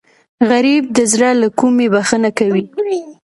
غریب د زړه له کومې بښنه کوي